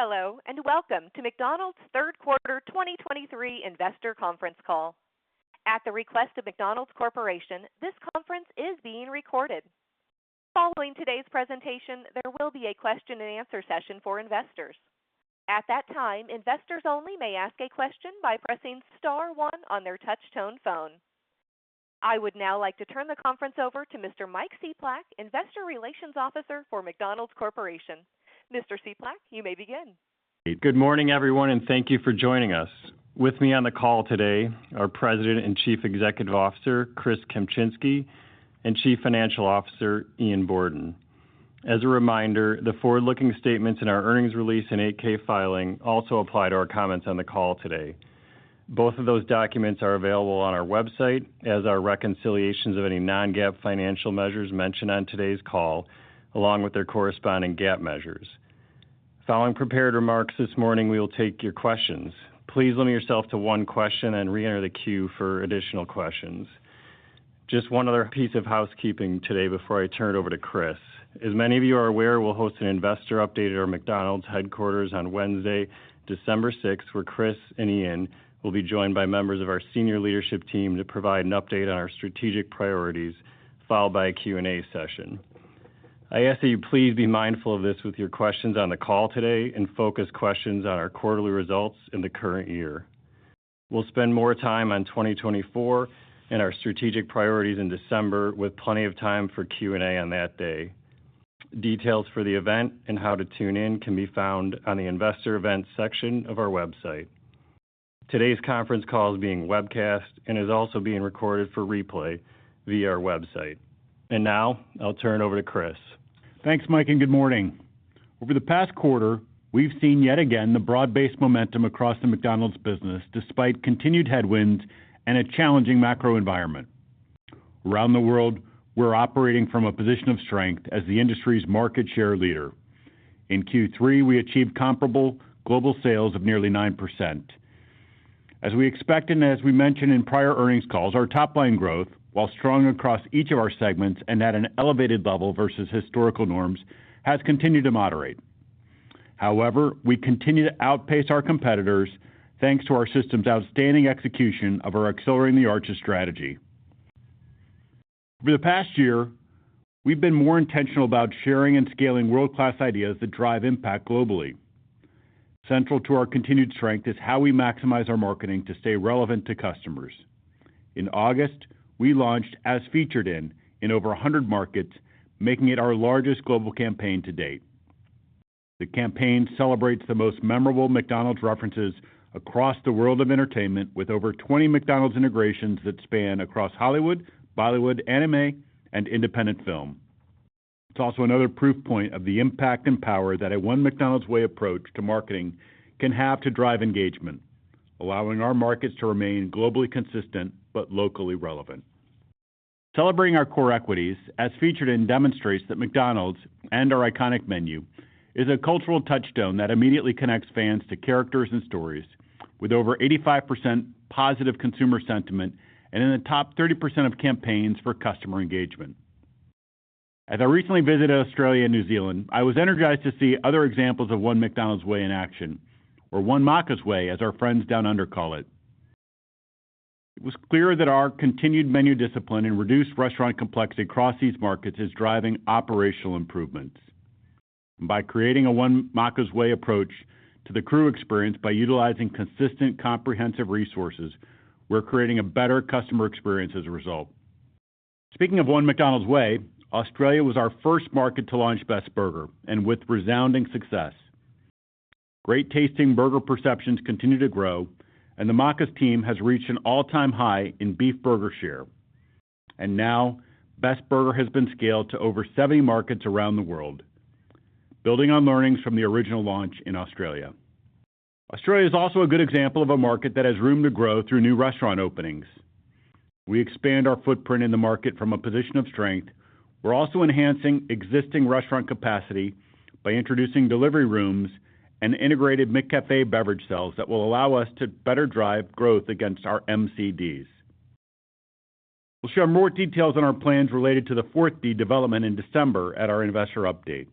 Hello, and welcome to McDonald's third quarter 2023 investor conference call. At the request of McDonald's Corporation, this conference is being recorded. Following today's presentation, there will be a question-and-answer session for investors. At that time, investors only may ask a question by pressing star one on their touchtone phone. I would now like to turn the conference over to Mr. Mike Cieplak, Investor Relations Officer for McDonald's Corporation. Mr. Cieplak, you may begin. Good morning, everyone, and thank you for joining us. With me on the call today, our President and Chief Executive Officer, Chris Kempczinski, and Chief Financial Officer, Ian Borden. As a reminder, the forward-looking statements in our earnings release and 8-K filing also apply to our comments on the call today. Both of those documents are available on our website as are reconciliations of any non-GAAP financial measures mentioned on today's call, along with their corresponding GAAP measures. Following prepared remarks this morning, we will take your questions. Please limit yourself to one question and reenter the queue for additional questions. Just one other piece of housekeeping today before I turn it over to Chris. As many of you are aware, we'll host an investor update at our McDonald's headquarters on Wednesday, December 6th, where Chris and Ian will be joined by members of our senior leadership team to provide an update on our strategic priorities, followed by a Q&A session. I ask that you please be mindful of this with your questions on the call today and focus questions on our quarterly results in the current year. We'll spend more time on 2024 and our strategic priorities in December, with plenty of time for Q&A on that day. Details for the event and how to tune in can be found on the investor events section of our website. Today's conference call is being webcast and is also being recorded for replay via our website. Now I'll turn it over to Chris. Thanks, Mike, and good morning. Over the past quarter, we've seen yet again the broad-based momentum across the McDonald's business, despite continued headwinds and a challenging macro environment. Around the world, we're operating from a position of strength as the industry's market share leader. In Q3, we achieved comparable global sales of nearly 9%. As we expected and as we mentioned in prior earnings calls, our top line growth, while strong across each of our segments and at an elevated level versus historical norms, has continued to moderate. However, we continue to outpace our competitors, thanks to our system's outstanding execution of our Accelerating the Arches strategy. Over the past year, we've been more intentional about sharing and scaling world-class ideas that drive impact globally. Central to our continued strength is how we maximize our marketing to stay relevant to customers. In August, we launched As Featured In, in over 100 markets, making it our largest global campaign to date. The campaign celebrates the most memorable McDonald's references across the world of entertainment, with over 20 McDonald's integrations that span across Hollywood, Bollywood, anime, and independent film. It's also another proof point of the impact and power that a One McDonald's Way approach to marketing can have to drive engagement, allowing our markets to remain globally consistent but locally relevant. Celebrating our core equities, As Featured In demonstrates that McDonald's and our iconic menu is a cultural touchstone that immediately connects fans to characters and stories with over 85% positive consumer sentiment and in the top 30% of campaigns for customer engagement. As I recently visited Australia and New Zealand, I was energized to see other examples of One McDonald's Way in action, or One Macca's Way, as our friends down under call it. It was clear that our continued menu discipline and reduced restaurant complexity across these markets is driving operational improvements. By creating a One Macca's Way approach to the crew experience by utilizing consistent, comprehensive resources, we're creating a better customer experience as a result. Speaking of One McDonald's Way, Australia was our first market to launch Best Burger, and with resounding success. Great tasting burger perceptions continue to grow, and the Macca's team has reached an all-time high in beef burger share. And now Best Burger has been scaled to over 70 markets around the world, building on learnings from the original launch in Australia. Australia is also a good example of a market that has room to grow through new restaurant openings. We expand our footprint in the market from a position of strength. We're also enhancing existing restaurant capacity by introducing delivery rooms and integrated McCafé beverage cells that will allow us to better drive growth against our MCDs. We'll share more details on our plans related to the fourth D development in December at our investor update.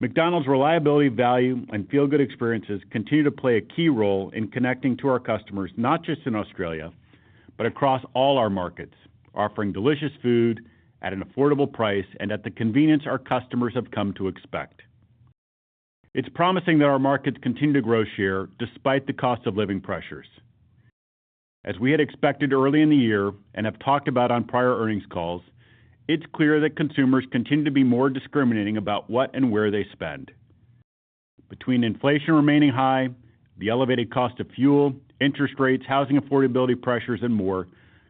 McDonald's reliability, value, and feel-good experiences continue to play a key role in connecting to our customers, not just in Australia, but across all our markets, offering delicious food at an affordable price and at the convenience our customers have come to expect. It's promising that our markets continue to grow share despite the cost of living pressures. As we had expected early in the year, and have talked about on prior earnings calls, it's clear that consumers continue to be more discriminating about what and where they spend. Between inflation remaining high, the elevated cost of fuel, interest rates, housing affordability pressures, and more,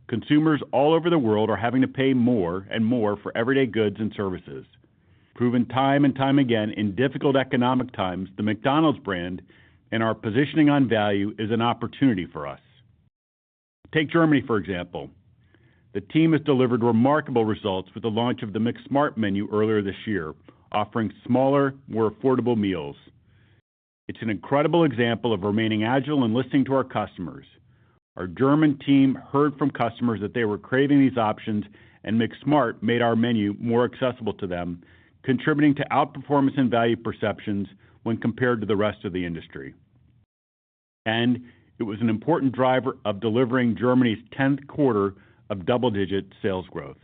consumers all over the world are having to pay more and more for everyday goods and services. Proven time and time again in difficult economic times, the McDonald's brand and our positioning on value is an opportunity for us. Take Germany, for example. The team has delivered remarkable results with the launch of the McSmart Menu earlier this year, offering smaller, more affordable meals. It's an incredible example of remaining agile and listening to our customers. Our German team heard from customers that they were craving these options, and McSmart made our menu more accessible to them, contributing to outperformance and value perceptions when compared to the rest of the industry. It was an important driver of delivering Germany's tenth quarter of double-digit sales growth.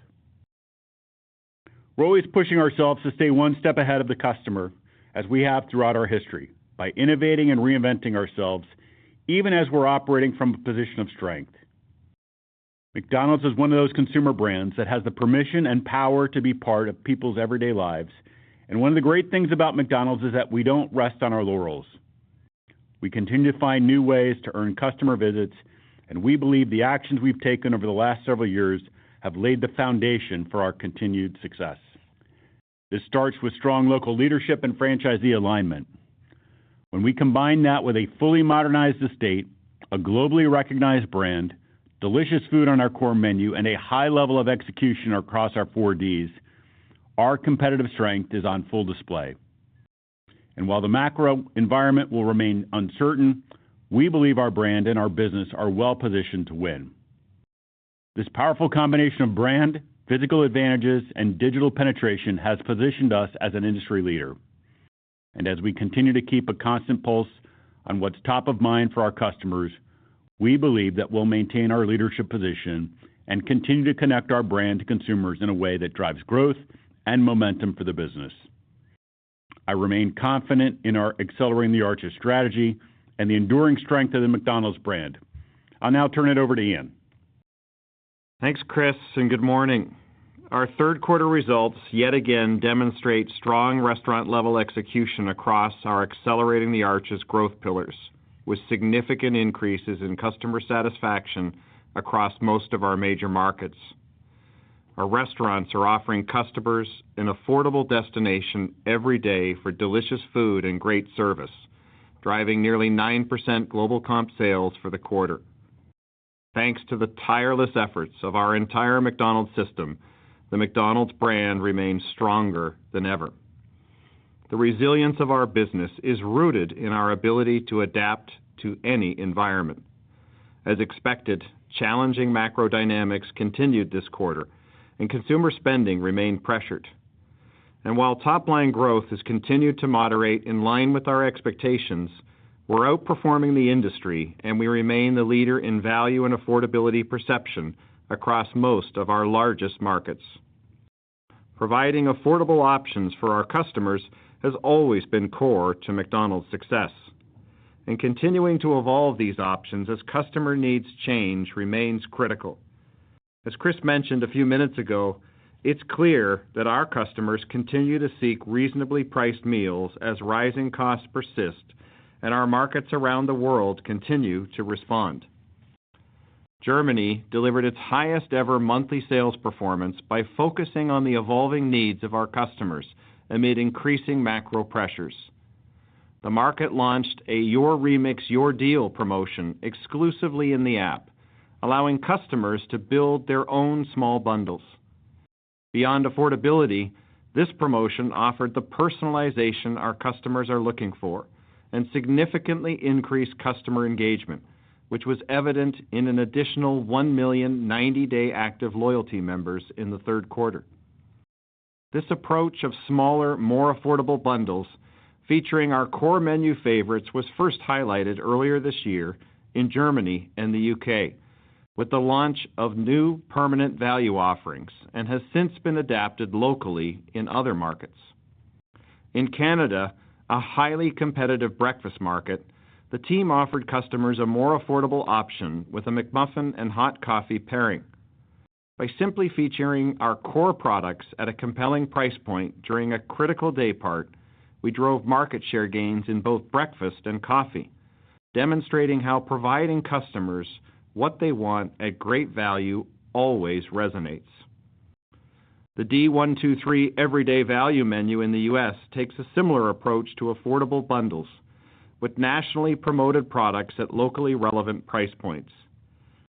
We're always pushing ourselves to stay one step ahead of the customer, as we have throughout our history, by innovating and reinventing ourselves, even as we're operating from a position of strength. McDonald's is one of those consumer brands that has the permission and power to be part of people's everyday lives, and one of the great things about McDonald's is that we don't rest on our laurels. We continue to find new ways to earn customer visits, and we believe the actions we've taken over the last several years have laid the foundation for our continued success. This starts with strong local leadership and franchisee alignment. When we combine that with a fully modernized estate, a globally recognized brand, delicious food on our core menu, and a high level of execution across our 4Ds, our competitive strength is on full display. And while the macro environment will remain uncertain, we believe our brand and our business are well positioned to win. This powerful combination of brand, physical advantages, and digital penetration has positioned us as an industry leader. And as we continue to keep a constant pulse on what's top of mind for our customers, we believe that we'll maintain our leadership position and continue to connect our brand to consumers in a way that drives growth and momentum for the business. I remain confident in our Accelerating the Arches strategy and the enduring strength of the McDonald's brand. I'll now turn it over to Ian. Thanks, Chris, and good morning. Our third quarter results yet again demonstrate strong restaurant-level execution across our Accelerating the Arches growth pillars, with significant increases in customer satisfaction across most of our major markets. Our restaurants are offering customers an affordable destination every day for delicious food and great service, driving nearly 9% global comp sales for the quarter. Thanks to the tireless efforts of our entire McDonald's system, the McDonald's brand remains stronger than ever. The resilience of our business is rooted in our ability to adapt to any environment. As expected, challenging macro dynamics continued this quarter, and consumer spending remained pressured. While top-line growth has continued to moderate in line with our expectations, we're outperforming the industry, and we remain the leader in value and affordability perception across most of our largest markets. Providing affordable options for our customers has always been core to McDonald's success, and continuing to evolve these options as customer needs change remains critical. As Chris mentioned a few minutes ago, it's clear that our customers continue to seek reasonably priced meals as rising costs persist and our markets around the world continue to respond. Germany delivered its highest ever monthly sales performance by focusing on the evolving needs of our customers amid increasing macro pressures. The market launched a Your Remix, Your Deal promotion exclusively in the app, allowing customers to build their own small bundles. Beyond affordability, this promotion offered the personalization our customers are looking for and significantly increased customer engagement, which was evident in an additional 1 million 90-day active loyalty members in the third quarter. This approach of smaller, more affordable bundles featuring our core menu favorites, was first highlighted earlier this year in Germany and the U.K., with the launch of new permanent value offerings and has since been adapted locally in other markets. In Canada, a highly competitive breakfast market, the team offered customers a more affordable option with a McMuffin and hot coffee pairing. By simply featuring our core products at a compelling price point during a critical day part, we drove market share gains in both breakfast and coffee, demonstrating how providing customers what they want at great value always resonates. The D123 Everyday Value Menu in the U.S. takes a similar approach to affordable bundles, with nationally promoted products at locally relevant price points.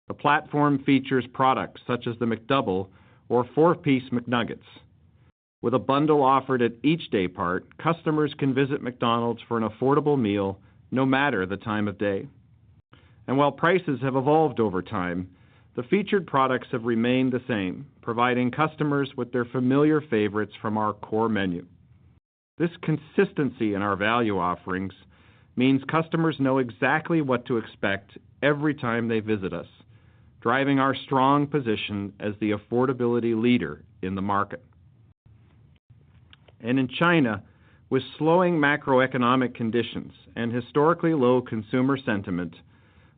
The platform features products such as the McDouble or 4-piece McNuggets. With a bundle offered at each day part, customers can visit McDonald's for an affordable meal, no matter the time of day. And while prices have evolved over time, the featured products have remained the same, providing customers with their familiar favorites from our core menu. This consistency in our value offerings means customers know exactly what to expect every time they visit us, driving our strong position as the affordability leader in the market. And in China, with slowing macroeconomic conditions and historically low consumer sentiment,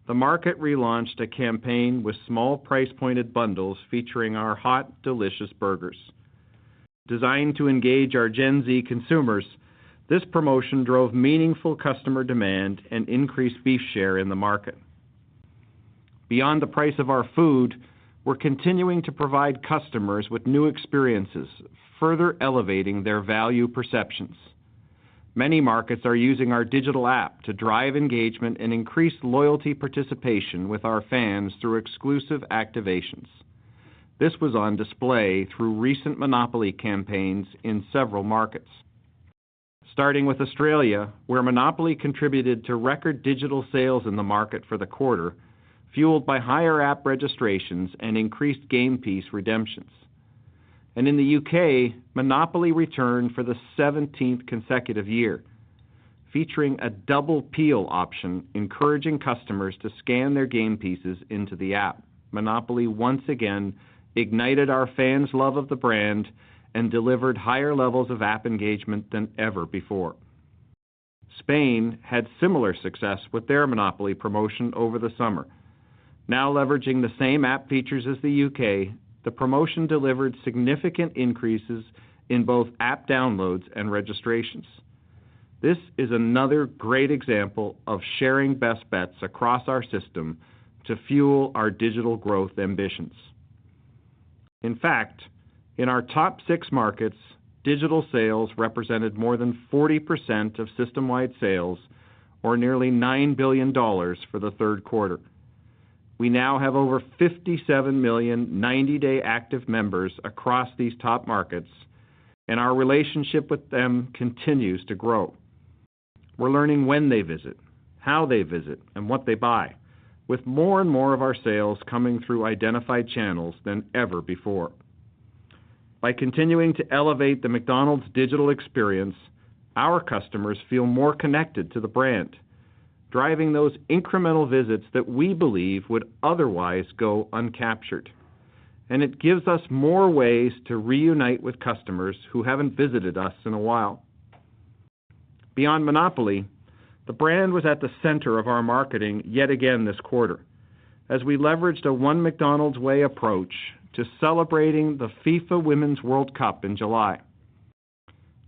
the market relaunched a campaign with small price-pointed bundles featuring our hot, delicious burgers. Designed to engage our Gen Z consumers, this promotion drove meaningful customer demand and increased beef share in the market. Beyond the price of our food, we're continuing to provide customers with new experiences, further elevating their value perceptions. Many markets are using our digital app to drive engagement and increase loyalty participation with our fans through exclusive activations. This was on display through recent Monopoly campaigns in several markets.... Starting with Australia, where Monopoly contributed to record digital sales in the market for the quarter, fueled by higher app registrations and increased game piece redemptions. And in the U.K., Monopoly returned for the seventeenth consecutive year, featuring a Double Peel option, encouraging customers to scan their game pieces into the app. Monopoly once again ignited our fans' love of the brand and delivered higher levels of app engagement than ever before. Spain had similar success with their Monopoly promotion over the summer. Now leveraging the same app features as the U.K., the promotion delivered significant increases in both app downloads and registrations. This is another great example of sharing best bets across our system to fuel our digital growth ambitions. In fact, in our top six markets, digital sales represented more than 40% of system-wide sales, or nearly $9 billion for the third quarter. We now have over 57 million, 90-day active members across these top markets, and our relationship with them continues to grow. We're learning when they visit, how they visit, and what they buy, with more and more of our sales coming through identified channels than ever before. By continuing to elevate the McDonald's digital experience, our customers feel more connected to the brand, driving those incremental visits that we believe would otherwise go uncaptured, and it gives us more ways to reunite with customers who haven't visited us in a while. Beyond Monopoly, the brand was at the center of our marketing yet again this quarter, as we leveraged a One McDonald's Way approach to celebrating the FIFA Women's World Cup in July.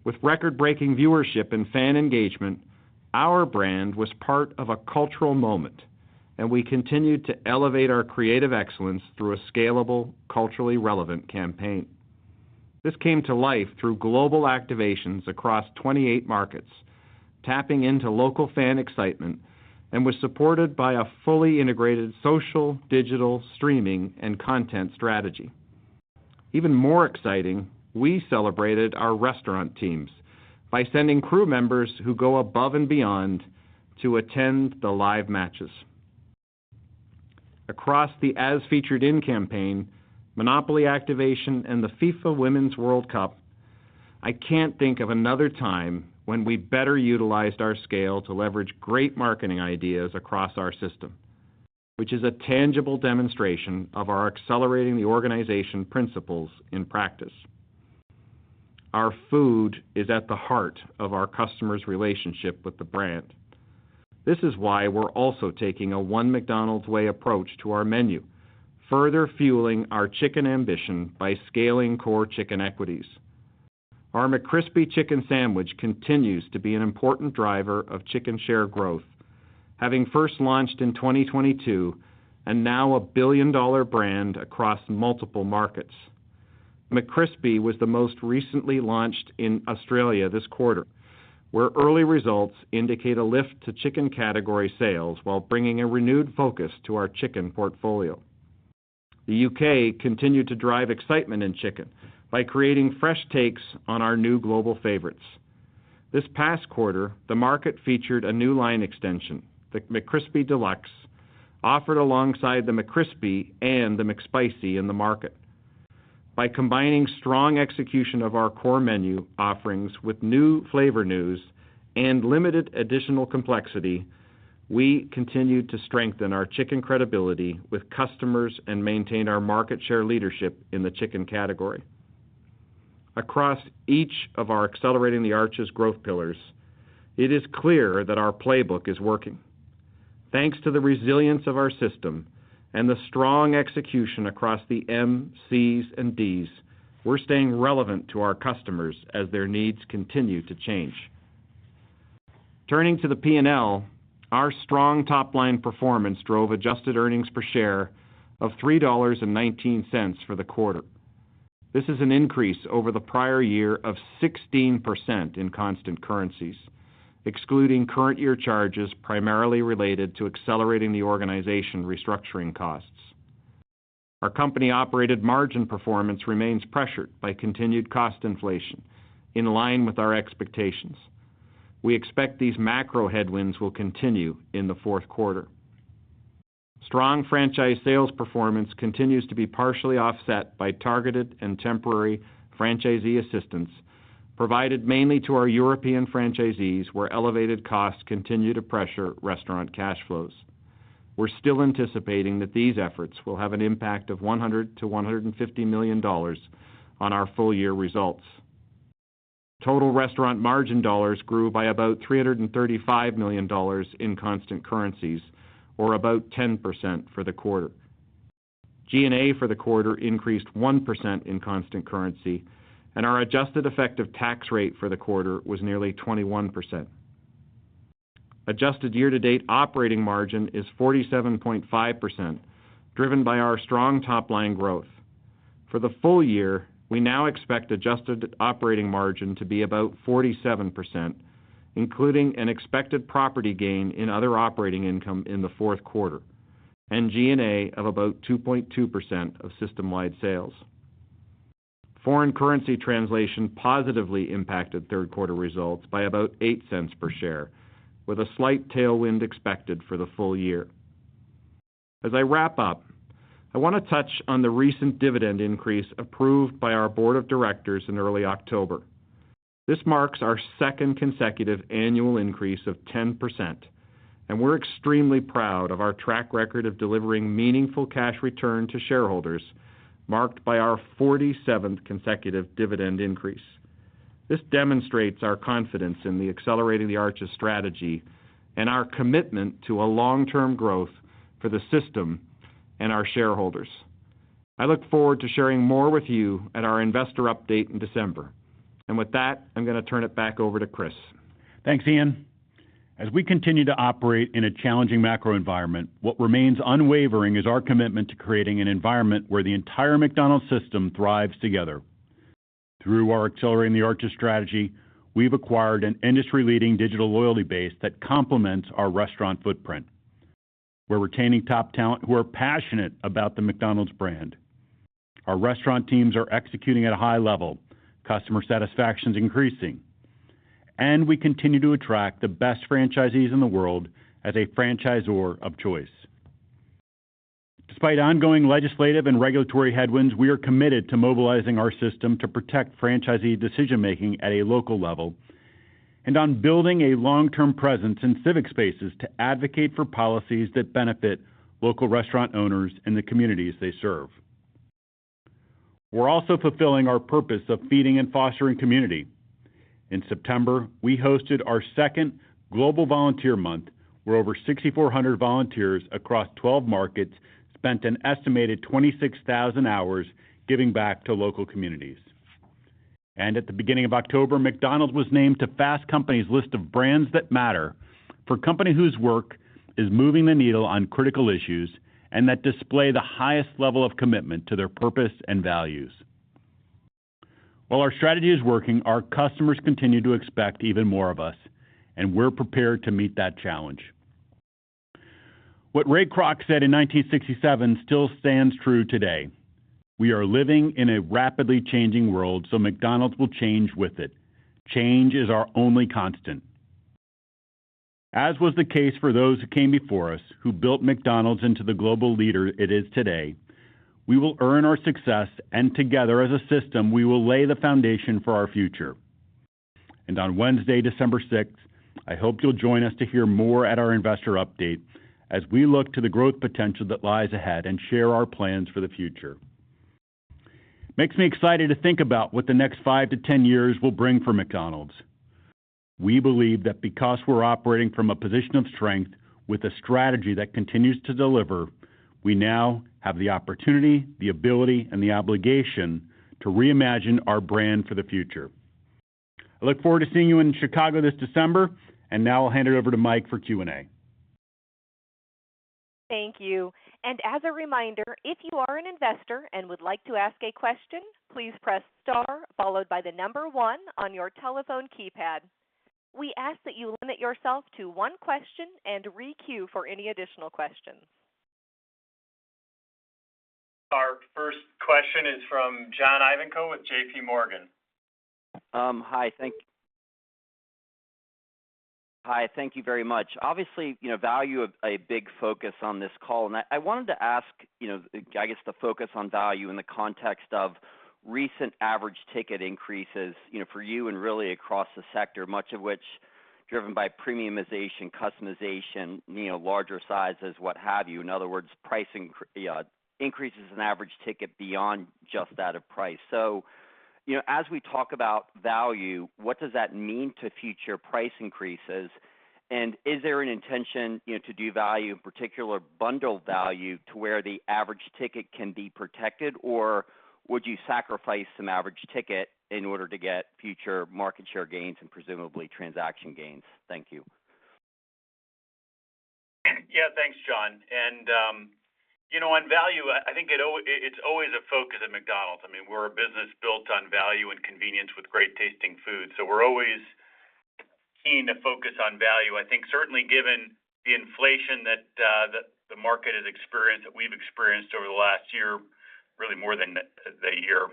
With record-breaking viewership and fan engagement, our brand was part of a cultural moment, and we continued to elevate our creative excellence through a scalable, culturally relevant campaign. This came to life through global activations across 28 markets, tapping into local fan excitement, and was supported by a fully integrated social, digital, streaming, and content strategy. Even more exciting, we celebrated our restaurant teams by sending crew members who go above and beyond to attend the live matches. Across the As Featured In campaign, Monopoly activation, and the FIFA Women's World Cup, I can't think of another time when we better utilized our scale to leverage great marketing ideas across our system, which is a tangible demonstration of our Accelerating the Organization principles in practice. Our food is at the heart of our customers' relationship with the brand. This is why we're also taking a One McDonald's Way approach to our menu, further fueling our chicken ambition by scaling core chicken equities. Our McCrispy Chicken Sandwich continues to be an important driver of chicken share growth, having first launched in 2022 and now a billion-dollar brand across multiple markets. McCrispy was the most recently launched in Australia this quarter, where early results indicate a lift to chicken category sales while bringing a renewed focus to our chicken portfolio. The U.K. continued to drive excitement in chicken by creating fresh takes on our new global favorites. This past quarter, the market featured a new line extension, the McCrispy Deluxe, offered alongside the McCrispy and the McSpicy in the market. By combining strong execution of our core menu offerings with new flavor news and limited additional complexity, we continued to strengthen our chicken credibility with customers and maintained our market share leadership in the chicken category. Across each of our Accelerating the Arches growth pillars, it is clear that our playbook is working. Thanks to the resilience of our system and the strong execution across the M, C's, and D's, we're staying relevant to our customers as their needs continue to change. Turning to the P&L, our strong top-line performance drove adjusted earnings per share of $3.19 for the quarter. This is an increase over the prior year of 16% in constant currencies, excluding current year charges, primarily related to Accelerating the Organization restructuring costs. Our company-operated margin performance remains pressured by continued cost inflation, in line with our expectations. We expect these macro headwinds will continue in the fourth quarter. Strong franchise sales performance continues to be partially offset by targeted and temporary franchisee assistance provided mainly to our European franchisees, where elevated costs continue to pressure restaurant cash flows. We're still anticipating that these efforts will have an impact of $100 million-$150 million on our full year results. Total restaurant margin dollars grew by about $335 million in constant currencies or about 10% for the quarter. G&A for the quarter increased 1% in constant currency, and our adjusted effective tax rate for the quarter was nearly 21%. Adjusted year-to-date operating margin is 47.5%, driven by our strong top-line growth. For the full year, we now expect adjusted operating margin to be about 47%, including an expected property gain in other operating income in the fourth quarter and G&A of about 2.2% of system-wide sales. Foreign currency translation positively impacted third quarter results by about $0.08 per share, with a slight tailwind expected for the full year. As I wrap up, I want to touch on the recent dividend increase approved by our board of directors in early October. This marks our second consecutive annual increase of 10%, and we're extremely proud of our track record of delivering meaningful cash return to shareholders, marked by our 47th consecutive dividend increase. This demonstrates our confidence in the Accelerating the Arches strategy and our commitment to a long-term growth for the system and our shareholders. I look forward to sharing more with you at our investor update in December. With that, I'm going to turn it back over to Chris. Thanks, Ian. As we continue to operate in a challenging macro environment, what remains unwavering is our commitment to creating an environment where the entire McDonald's system thrives together. Through our Accelerating the Arches strategy, we've acquired an industry-leading digital loyalty base that complements our restaurant footprint. We're retaining top talent who are passionate about the McDonald's brand. Our restaurant teams are executing at a high level. Customer satisfaction is increasing, and we continue to attract the best franchisees in the world as a franchisor of choice. Despite ongoing legislative and regulatory headwinds, we are committed to mobilizing our system to protect franchisee decision-making at a local level and on building a long-term presence in civic spaces to advocate for policies that benefit local restaurant owners and the communities they serve. We're also fulfilling our purpose of feeding and fostering community. In September, we hosted our second Global Volunteer Month, where over 6,400 volunteers across 12 markets spent an estimated 26,000 hours giving back to local communities. At the beginning of October, McDonald's was named to Fast Company's list of Brands That Matter for company whose work is moving the needle on critical issues, and that display the highest level of commitment to their purpose and values. While our strategy is working, our customers continue to expect even more of us, and we're prepared to meet that challenge. What Ray Kroc said in 1967 still stands true today: "We are living in a rapidly changing world, so McDonald's will change with it. Change is our only constant." As was the case for those who came before us, who built McDonald's into the global leader it is today, we will earn our success, and together, as a system, we will lay the foundation for our future. On Wednesday, December 6th, I hope you'll join us to hear more at our investor update as we look to the growth potential that lies ahead and share our plans for the future. Makes me excited to think about what the next five to 10 years will bring for McDonald's. We believe that because we're operating from a position of strength with a strategy that continues to deliver, we now have the opportunity, the ability, and the obligation to reimagine our brand for the future. I look forward to seeing you in Chicago this December, and now I'll hand it over to Mike for Q&A. Thank you. As a reminder, if you are an investor and would like to ask a question, please press star followed by the number one on your telephone keypad. We ask that you limit yourself to one question and re-queue for any additional questions. Our first question is from John Ivankoe with JPMorgan. Hi, thank you very much. Obviously, you know, value is a big focus on this call, and I wanted to ask, you know, I guess, to focus on value in the context of recent average ticket increases, you know, for you and really across the sector, much of which driven by premiumization, customization, you know, larger sizes, what have you. In other words, pricing increases in average ticket beyond just out of price. So, you know, as we talk about value, what does that mean to future price increases? And is there an intention, you know, to do value, in particular, bundle value, to where the average ticket can be protected? Or would you sacrifice some average ticket in order to get future market share gains and presumably transaction gains? Thank you. Yeah, thanks, John. You know, on value, I think it's always a focus at McDonald's. I mean, we're a business built on value and convenience with great tasting food, so we're always keen to focus on value. I think certainly given the inflation that the market has experienced, that we've experienced over the last year, really more than a year,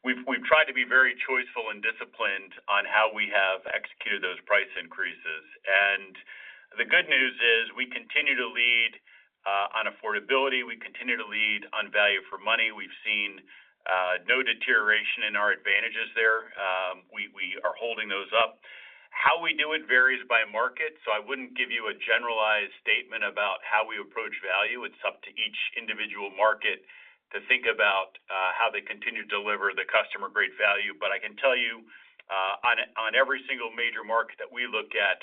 we've tried to be very choiceful and disciplined on how we have executed those price increases. The good news is, we continue to lead on affordability. We continue to lead on value for money. We've seen no deterioration in our advantages there, we are holding those up. How we do it varies by market, so I wouldn't give you a generalized statement about how we approach value. It's up to each individual market to think about how they continue to deliver the customer great value. But I can tell you, on, on every single major market that we look at,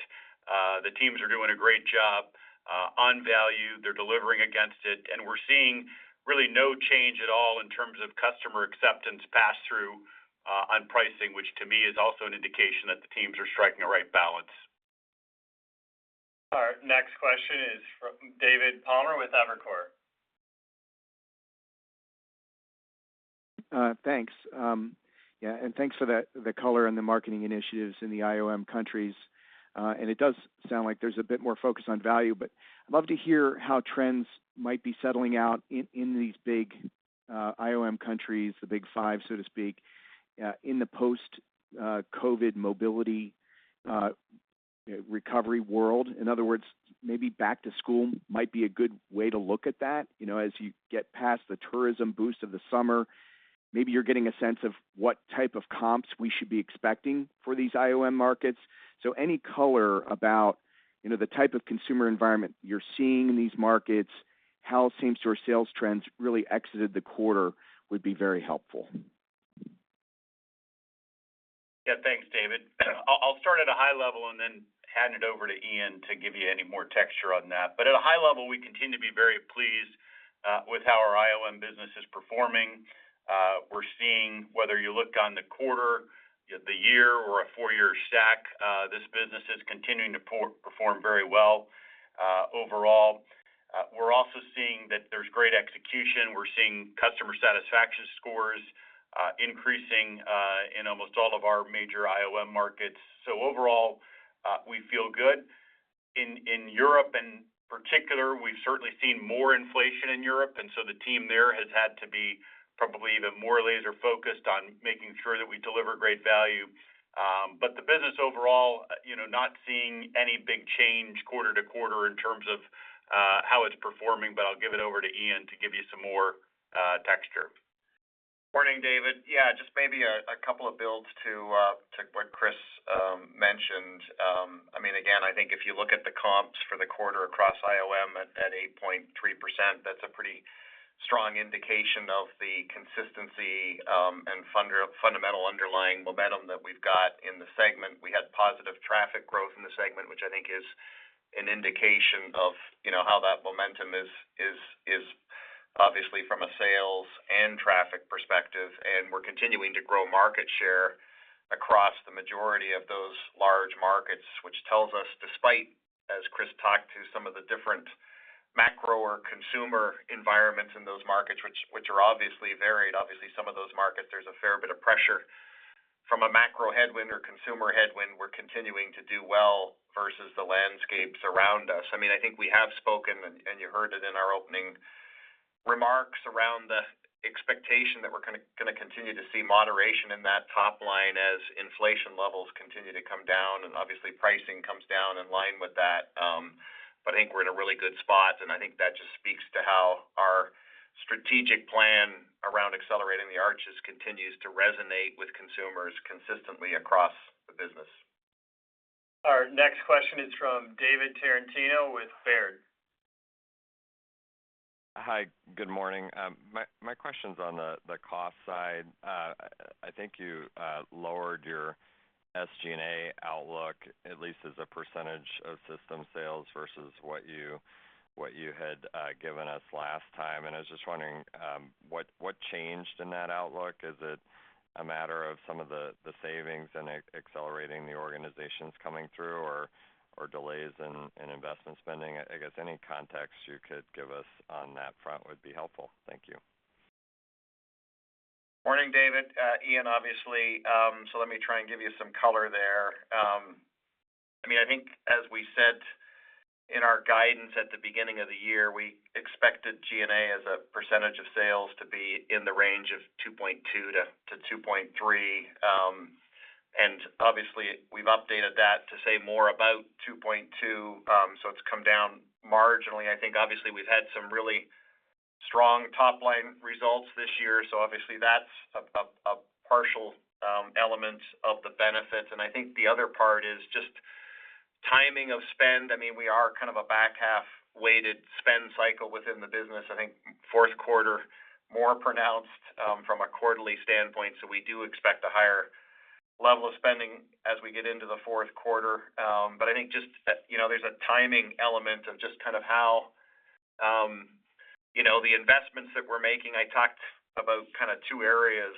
the teams are doing a great job on value. They're delivering against it, and we're seeing really no change at all in terms of customer acceptance pass through on pricing, which to me is also an indication that the teams are striking the right balance. Our next question is from David Palmer with Evercore. Thanks. Yeah, and thanks for the color on the marketing initiatives in the IOM countries. And it does sound like there's a bit more focus on value, but I'd love to hear how trends might be settling out in these big IOM countries, the big five, so to speak, in the post-COVID mobility recovery world. In other words, maybe back to school might be a good way to look at that. You know, as you get past the tourism boost of the summer, maybe you're getting a sense of what type of comps we should be expecting for these IOM markets. So any color about, you know, the type of consumer environment you're seeing in these markets, how same-store sales trends really exited the quarter, would be very helpful. Yeah, thanks, David. I'll start at a high level and then hand it over to Ian to give you any more texture on that. But at a high level, we continue to be very pleased with how our IOM business is performing. We're seeing whether you look on the quarter, the year, or a four-year stack, this business is continuing to perform very well. Overall, we're also seeing that there's great execution. We're seeing customer satisfaction scores increasing in almost all of our major IOM markets. So overall, we feel good. In Europe, in particular, we've certainly seen more inflation in Europe, and so the team there has had to be probably even more laser-focused on making sure that we deliver great value. But the business overall, you know, not seeing any big change quarter to quarter in terms of how it's performing. But I'll give it over to Ian to give you some more texture. Morning, David. Yeah, just maybe a couple of builds to what Chris mentioned. I mean, again, I think if you look at the comps for the quarter across IOM at 8.3%, that's a pretty strong indication of the consistency and fundamental underlying momentum that we've got in the segment. We had positive traffic growth in the segment, which I think is an indication of, you know, how that momentum is obviously from a sales and traffic perspective, and we're continuing to grow market share across the majority of those large markets. Which tells us, despite, as Chris talked to, some of the different macro or consumer environments in those markets, which are obviously varied. Obviously, some of those markets, there's a fair bit of pressure. From a macro headwind or consumer headwind, we're continuing to do well versus the landscapes around us. I mean, I think we have spoken, and you heard it in our opening remarks, around the expectation that we're gonna continue to see moderation in that top line as inflation levels continue to come down, and obviously, pricing comes down in line with that. But I think we're in a really good spot, and I think that just speaks to how our strategic plan around Accelerating the Arches continues to resonate with consumers consistently across the business. Our next question is from David Tarantino with Baird. Hi, good morning. My question's on the cost side. I think you lowered your SG&A outlook, at least as a percentage of system sales, versus what you had given us last time. I was just wondering what changed in that outlook? Is it a matter of some of the savings and accelerating the organization coming through or delays in investment spending? I guess any context you could give us on that front would be helpful. Thank you. Morning, David. Ian, obviously, so let me try and give you some color there. I mean, I think as we said in our guidance at the beginning of the year, we expected G&A as a percentage of sales to be in the range of 2.2-2.3. And obviously, we've updated that to say more about 2.2. So it's come down marginally. I think obviously we've had some really strong top-line results this year, so obviously that's a partial element of the benefits. And I think the other part is just timing of spend. I mean, we are kind of a back-half weighted spend cycle within the business. I think fourth quarter, more pronounced, from a quarterly standpoint, so we do expect a higher level of spending as we get into the fourth quarter. But I think just, you know, there's a timing element of just kind of how, you know, the investments that we're making. I talked about kind of two areas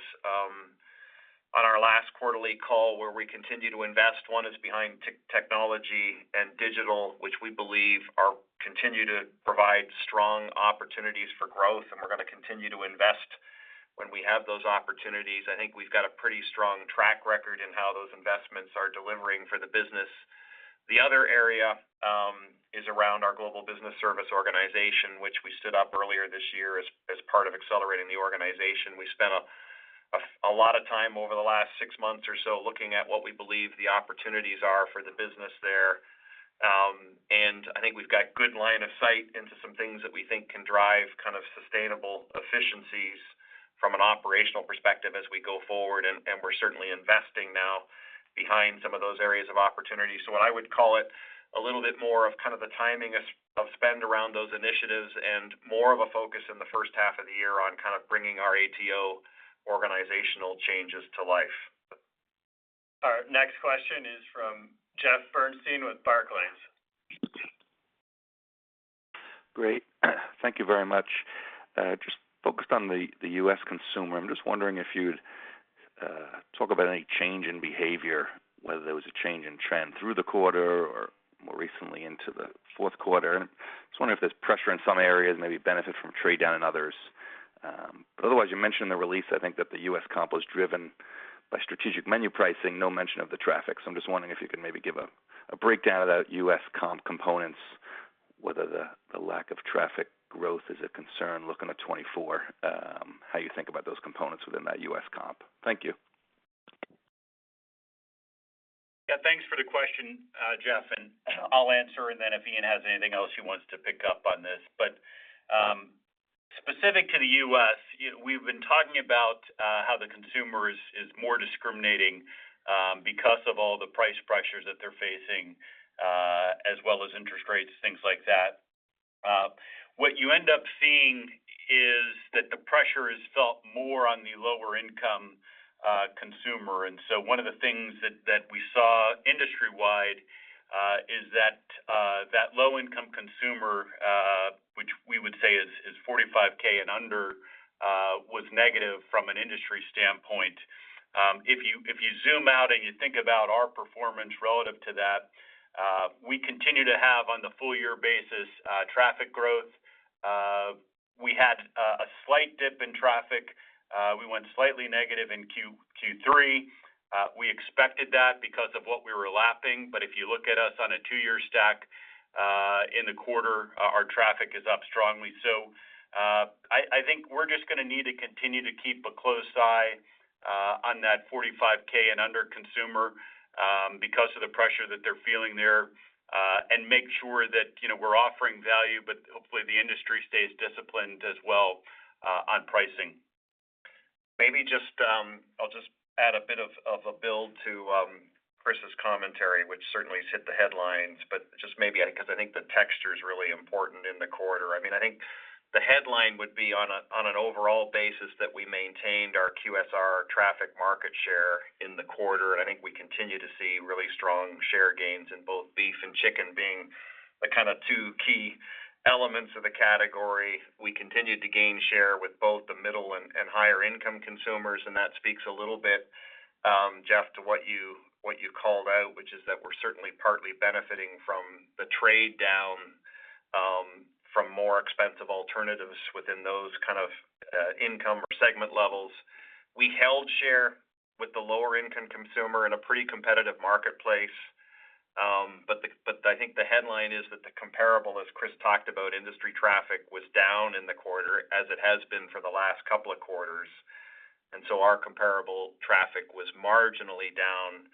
on our last quarterly call, where we continue to invest. One is behind technology and digital, which we believe are continue to provide strong opportunities for growth, and we're going to continue to invest when we have those opportunities. I think we've got a pretty strong track record in how those investments are delivering for the business. The other area is around our Global Business Services organization, which we stood up earlier this year as part of accelerating the organization. We spent a lot of time over the last six months or so looking at what we believe the opportunities are for the business there. I think we've got good line of sight into some things that we think can drive kind of sustainable efficiencies from an operational perspective as we go forward, and we're certainly investing now behind some of those areas of opportunity. So what I would call it a little bit more of kind of the timing of spend around those initiatives and more of a focus in the first half of the year on kind of bringing our ATO organizational changes to life. Our next question is from Jeff Bernstein with Barclays. Great. Thank you very much. Just focused on the U.S. consumer. I'm just wondering if you'd talk about any change in behavior, whether there was a change in trend through the quarter or recently into the fourth quarter. I was wondering if there's pressure in some areas, maybe benefit from trade down in others? But otherwise, you mentioned in the release, I think, that the U.S. comp was driven by strategic menu pricing, no mention of the traffic. So I'm just wondering if you could maybe give a breakdown of that U.S. comp components, whether the lack of traffic growth is a concern looking at 2024, how you think about those components within that U.S. comp? Thank you. Yeah, thanks for the question, Jeff, and I'll answer, and then if Ian has anything else, he wants to pick up on this. But, specific to the U.S., you know, we've been talking about how the consumer is more discriminating, because of all the price pressures that they're facing, as well as interest rates, things like that. What you end up seeing is that the pressure is felt more on the lower income consumer. And so one of the things that we saw industry-wide is that that low-income consumer, which we would say is $45,000 and under, was negative from an industry standpoint. If you zoom out and you think about our performance relative to that, we continue to have, on the full year basis, traffic growth. We had a slight dip in traffic. We went slightly negative in Q3. We expected that because of what we were lapping. But if you look at us on a two-year stack, in the quarter, our traffic is up strongly. So, I think we're just going to need to continue to keep a close eye on that $45,000 and under consumer, because of the pressure that they're feeling there, and make sure that, you know, we're offering value, but hopefully, the industry stays disciplined as well on pricing. Maybe just, I'll just add a bit of a build to Chris's commentary, which certainly has hit the headlines, but just maybe because I think the texture is really important in the quarter. I mean, I think the headline would be on an overall basis, that we maintained our QSR traffic market share in the quarter. I think we continue to see really strong share gains in both beef and chicken being the kind of two key elements of the category. We continued to gain share with both the middle and higher income consumers, and that speaks a little bit, Jeff, to what you called out, which is that we're certainly partly benefiting from the trade down from more expensive alternatives within those kind of income or segment levels. We held share with the lower income consumer in a pretty competitive marketplace. But I think the headline is that the comparable, as Chris talked about, industry traffic was down in the quarter, as it has been for the last couple of quarters, and so our comparable traffic was marginally down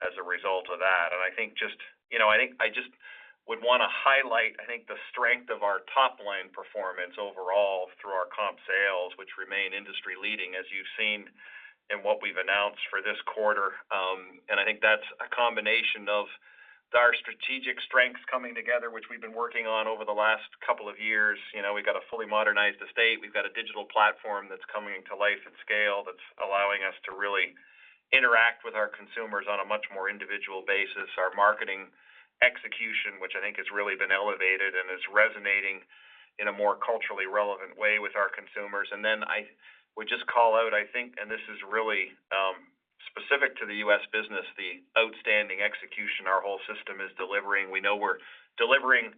as a result of that. And I think just—you know, I think I just would want to highlight, I think, the strength of our top-line performance overall through our comp sales, which remain industry leading, as you've seen in what we've announced for this quarter. And I think that's a combination of our strategic strengths coming together, which we've been working on over the last couple of years. You know, we've got a fully modernized estate. We've got a digital platform that's coming to life at scale, that's allowing us to really interact with our consumers on a much more individual basis. Our marketing execution, which I think has really been elevated and is resonating in a more culturally relevant way with our consumers. And then I would just call out, I think, and this is really specific to the U.S. business, the outstanding execution our whole system is delivering. We know we're delivering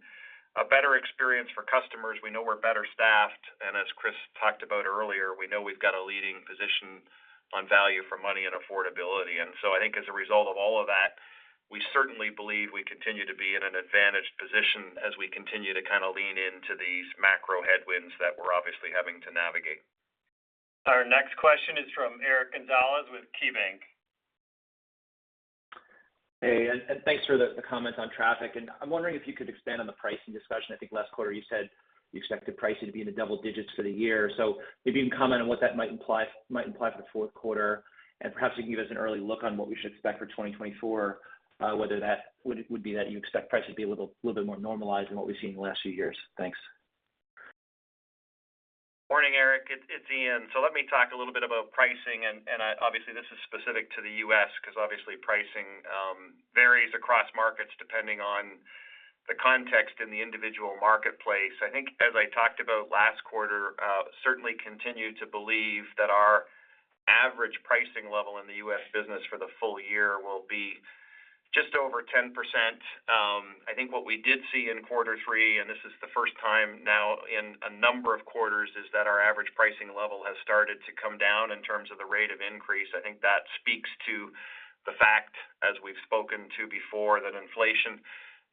a better experience for customers. We know we're better staffed, and as Chris talked about earlier, we know we've got a leading position on value for money and affordability. And so I think as a result of all of that, we certainly believe we continue to be in an advantaged position as we continue to kind of lean into these macro headwinds that we're obviously having to navigate. Our next question is from Eric Gonzalez with KeyBanc. Hey, thanks for the comments on traffic, and I'm wondering if you could expand on the pricing discussion. I think last quarter you said you expected pricing to be in the double digits for the year. So if you can comment on what that might imply for the fourth quarter, and perhaps you can give us an early look on what we should expect for 2024, whether that would be that you expect prices to be a little bit more normalized than what we've seen in the last few years. Thanks. Morning, Eric. It's Ian. So let me talk a little bit about pricing, and I obviously, this is specific to the US, because obviously, pricing varies across markets depending on the context in the individual marketplace. I think as I talked about last quarter, certainly continue to believe that our average pricing level in the U.S. business for the full year will be just over 10%. I think what we did see in quarter three, and this is the first time now in a number of quarters, is that our average pricing level has started to come down in terms of the rate of increase. I think that speaks to the fact, as we've spoken to before, that inflation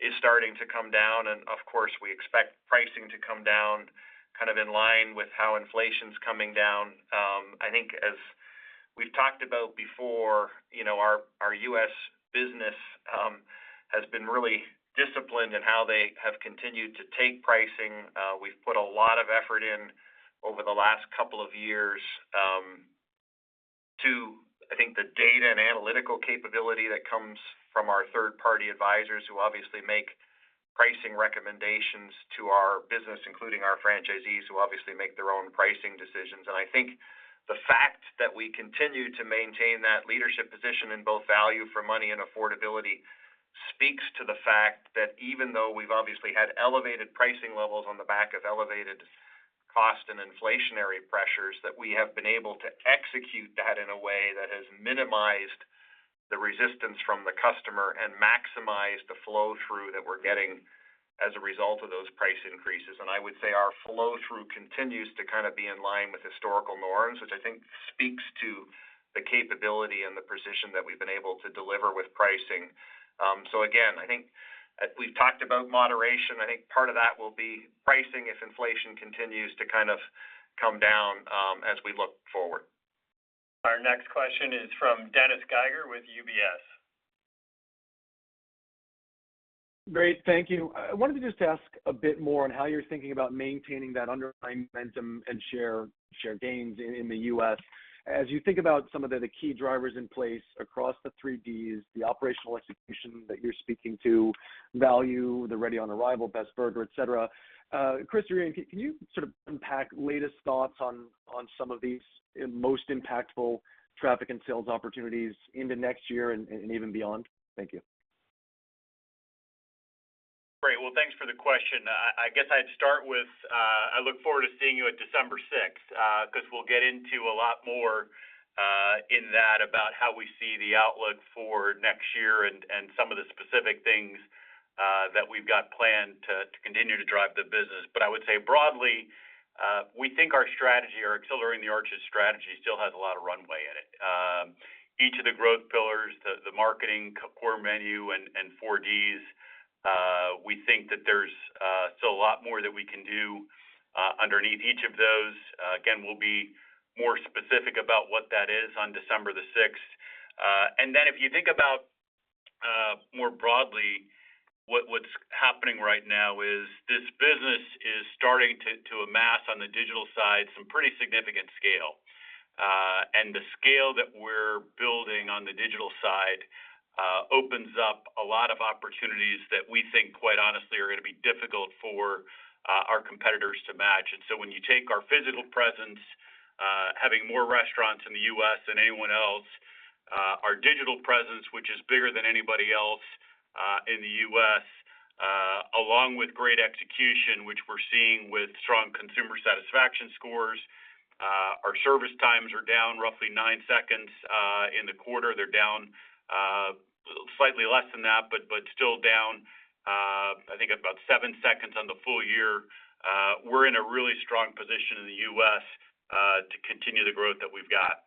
is starting to come down, and of course, we expect pricing to come down kind of in line with how inflation's coming down. I think as we've talked about before, you know, our U.S. business has been really disciplined in how they have continued to take pricing. We've put a lot of effort in over the last couple of years to I think the data and analytical capability that comes from our third-party advisors, who obviously make pricing recommendations to our business, including our franchisees, who obviously make their own pricing decisions. And I think the fact that we continue to maintain that leadership position in both value for money and affordability speaks to the fact that even though we've obviously had elevated pricing levels on the back of elevated cost and inflationary pressures, that we have been able to execute that in a way that has minimized the resistance from the customer and maximize the flow-through that we're getting as a result of those price increases. I would say our flow-through continues to kind of be in line with historical norms, which I think speaks to the capability and the precision that we've been able to deliver with pricing. So again, I think as we've talked about moderation, I think part of that will be pricing if inflation continues to kind of come down, as we look forward. Our next question is from Dennis Geiger, with UBS. Great, thank you. I wanted to just ask a bit more on how you're thinking about maintaining that underlying momentum and share, share gains in, in the U.S. As you think about some of the, the key drivers in place across the three Ds, the operational execution that you're speaking to, value, the Ready on Arrival, Best Burger, et cetera. Chris, can you, can you sort of unpack latest thoughts on, on some of these most impactful traffic and sales opportunities into next year and, and even beyond? Thank you. Great. Well, thanks for the question. I guess I'd start with, I look forward to seeing you at December 6th, 'cause we'll get into a lot more, in that about how we see the outlook for next year and, and some of the specific things, that we've got planned to, to continue to drive the business. But I would say broadly, we think our strategy, our Accelerating the Arches strategy, still has a lot of runway in it. Each of the growth pillars, the, the marketing, core menu, and, and 4Ds, we think that there's, still a lot more that we can do, underneath each of those. Again, we'll be more specific about what that is on December the 6th. And then if you think about more broadly, what's happening right now is, this business is starting to amass on the digital side some pretty significant scale. And the scale that we're building on the digital side opens up a lot of opportunities that we think, quite honestly, are gonna be difficult for our competitors to match. And so when you take our physical presence, having more restaurants in the U.S. than anyone else, our digital presence, which is bigger than anybody else in the U.S., along with great execution, which we're seeing with strong consumer satisfaction scores, our service times are down roughly nine seconds in the quarter. They're down slightly less than that, but still down, I think about seven seconds on the full year. We're in a really strong position in the U.S., to continue the growth that we've got.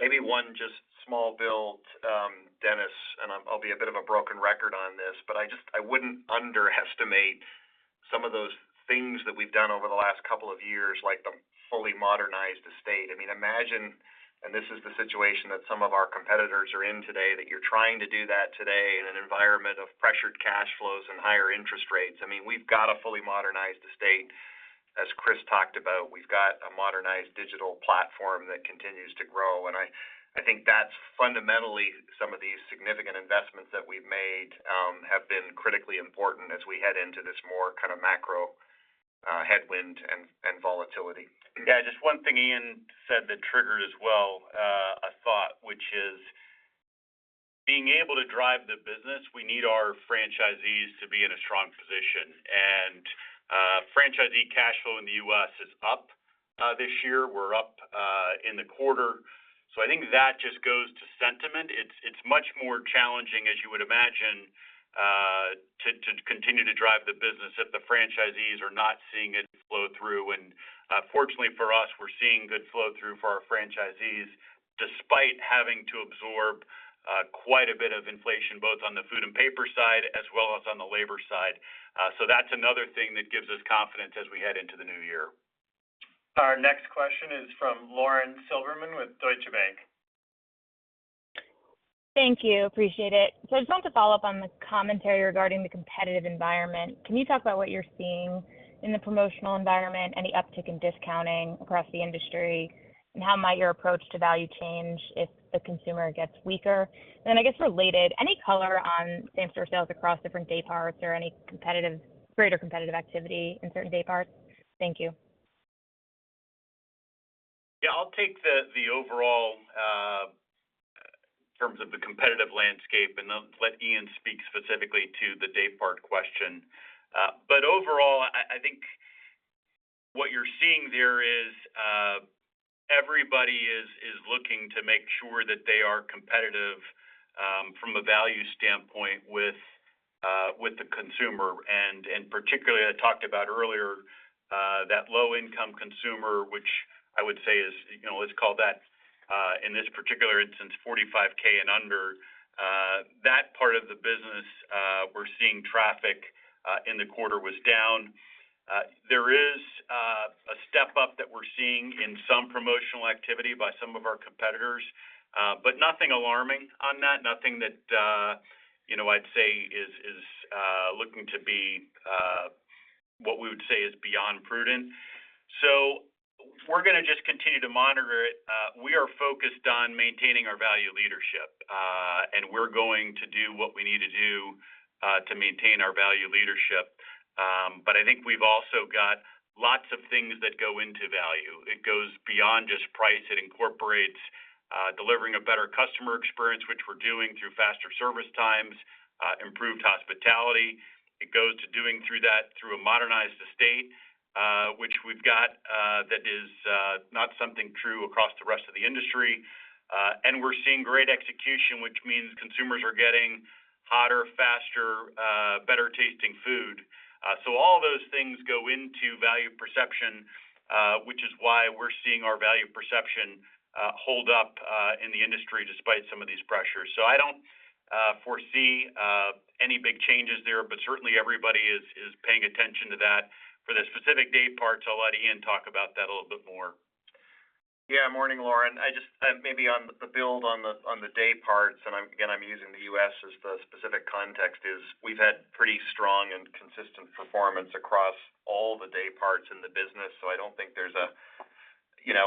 Maybe one just small build, Dennis, and I'm, I'll be a bit of a broken record on this, but I just, I wouldn't underestimate some of those things that we've done over the last couple of years, like the fully modernized estate. I mean, imagine, and this is the situation that some of our competitors are in today, that you're trying to do that today in an environment of pressured cash flows and higher interest rates. I mean, we've got a fully modernized estate. As Chris talked about, we've got a modernized digital platform that continues to grow, and I, I think that's fundamentally some of the significant investments that we've made, have been critically important as we head into this more kind of macro headwind and volatility. Yeah, just one thing Ian said that triggered as well, a thought, which is being able to drive the business, we need our franchisees to be in a strong position. Franchisee cash flow in the U.S. is up this year. We're up in the quarter. So I think that just goes to sentiment. It's much more challenging, as you would imagine, to continue to drive the business if the franchisees are not seeing it flow through. Fortunately for us, we're seeing good flow-through for our franchisees, despite having to absorb quite a bit of inflation, both on the food and paper side, as well as on the labor side. So that's another thing that gives us confidence as we head into the new year. Our next question is from Lauren Silberman with Deutsche Bank. Thank you. Appreciate it. I just wanted to follow up on the commentary regarding the competitive environment. Can you talk about what you're seeing in the promotional environment, any uptick in discounting across the industry? And how might your approach to value change if the consumer gets weaker? Then, I guess, related, any color on same-store sales across different day parts or any greater competitive activity in certain day parts? Thank you. Yeah, I'll take the overall terms of the competitive landscape, and I'll let Ian speak specifically to the day part question. But overall, I think what you're seeing there is everybody is looking to make sure that they are competitive from a value standpoint with the consumer. And particularly, I talked about earlier, that low-income consumer, which I would say is, you know, let's call that in this particular instance, $45,000 and under. That part of the business, we're seeing traffic in the quarter was down. There is a step-up that we're seeing in some promotional activity by some of our competitors, but nothing alarming on that. Nothing that, you know, I'd say is looking to be what we would say is beyond prudent. So we're gonna just continue to monitor it. We are focused on maintaining our value leadership, and we're going to do what we need to do, to maintain our value leadership. But I think we've also got lots of things. It goes beyond just price. It incorporates, delivering a better customer experience, which we're doing through faster service times, improved hospitality. It goes to doing through that through a modernized estate, which we've got, that is, not something true across the rest of the industry. And we're seeing great execution, which means consumers are getting hotter, faster, better tasting food. So all those things go into value perception, which is why we're seeing our value perception, hold up, in the industry despite some of these pressures. So I don't foresee any big changes there, but certainly everybody is paying attention to that. For the specific day parts, I'll let Ian talk about that a little bit more. Yeah, morning, Lauren. I just maybe build on the day parts, and I'm again, I'm using the U.S. as the specific context, is we've had pretty strong and consistent performance across all the day parts in the business. So I don't think there's a, you know,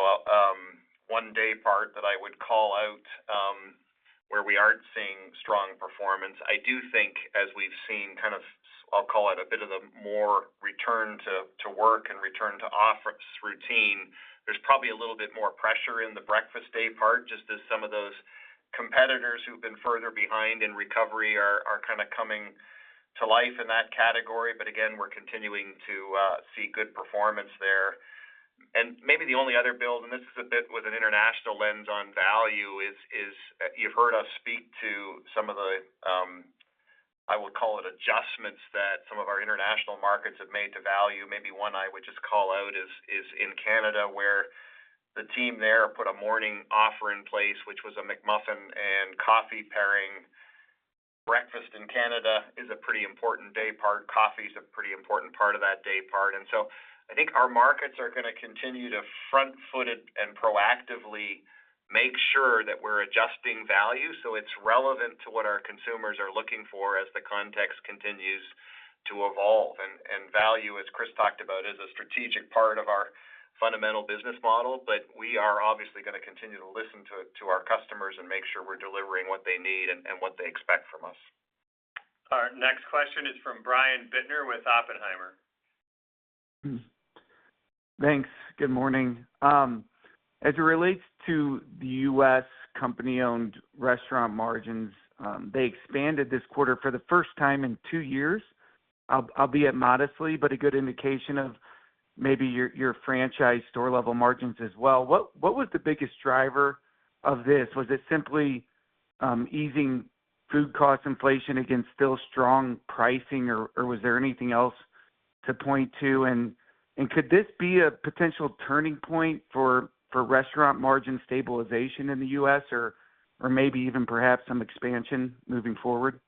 one day part that I would call out where we aren't seeing strong performance. I do think as we've seen, kind of, I'll call it a bit of the more return to work and return to office routine, there's probably a little bit more pressure in the breakfast day part, just as some of those competitors who've been further behind in recovery are kind of coming to life in that category. But again, we're continuing to see good performance there. Maybe the only other build, and this is a bit with an international lens on value, is you've heard us speak to some of the, I would call it adjustments that some of our international markets have made to value. Maybe one I would just call out is in Canada, where the team there put a morning offer in place, which was a McMuffin and coffee pairing. Breakfast in Canada is a pretty important day part. Coffee is a pretty important part of that day part. And so I think our markets are gonna continue to front foot it and proactively make sure that we're adjusting value, so it's relevant to what our consumers are looking for as the context continues to evolve. And value, as Chris talked about, is a strategic part of our fundamental business model, but we are obviously gonna continue to listen to our customers and make sure we're delivering what they need and what they expect from us. Our next question is from Brian Bittner with Oppenheimer. Thanks. Good morning. As it relates to the U.S. company-owned restaurant margins, they expanded this quarter for the first time in two years. Albeit modestly, but a good indication of maybe your, your franchise store level margins as well. What, what was the biggest driver of this? Was it simply, easing food cost inflation against still strong pricing, or, or was there anything else to point to? And, and could this be a potential turning point for, for restaurant margin stabilization in the U.S. or, or maybe even perhaps some expansion moving forward?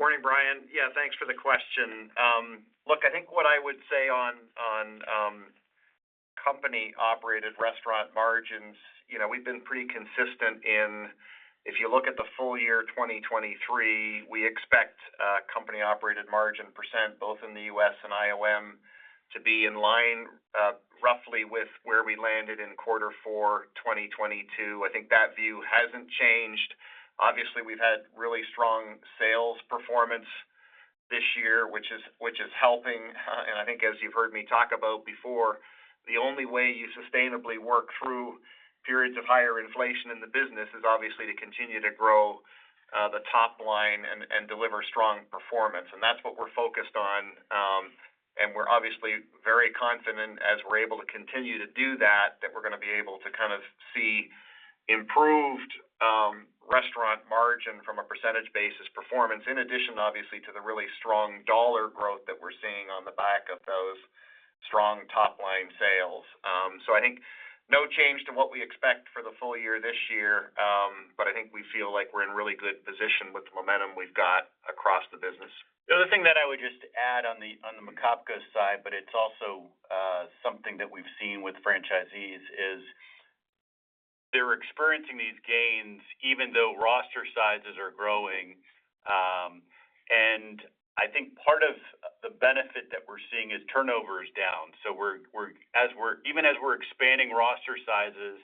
Morning, Brian. Yeah, thanks for the question. Look, I think what I would say on, on, company-operated restaurant margins, you know, we've been pretty consistent in... If you look at the full year 2023, we expect, company-operated margin percent, both in the U.S. and IOM, to be in line, roughly with where we landed in quarter four, 2022. I think that view hasn't changed. Obviously, we've had really strong sales performance this year, which is, which is helping. And I think as you've heard me talk about before, the only way you sustainably work through periods of higher inflation in the business is obviously to continue to grow, the top line and, and deliver strong performance. That's what we're focused on, and we're obviously very confident as we're able to continue to do that, that we're gonna be able to kind of see improved restaurant margin from a percentage basis performance, in addition, obviously, to the really strong dollar growth that we're seeing on the back of those strong top-line sales. I think no change to what we expect for the full year this year, but I think we feel like we're in really good position with the momentum we've got across the business. The other thing that I would just add on the McOpCo side, but it's also something that we've seen with franchisees, is they're experiencing these gains even though roster sizes are growing. And I think part of the benefit that we're seeing is turnover is down. So we're even as we're expanding roster sizes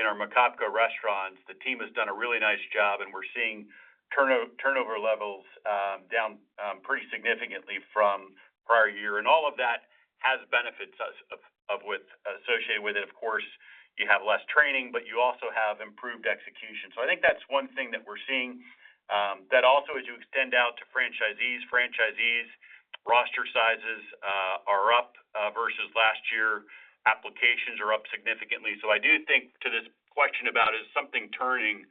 in our McOpCo restaurants, the team has done a really nice job, and we're seeing turnover levels down pretty significantly from prior year. And all of that has benefits associated with it. Of course, you have less training, but you also have improved execution. So I think that's one thing that we're seeing. That also, as you extend out to franchisees, franchisees roster sizes are up versus last year. Applications are up significantly. So I do think, to this question about is something turning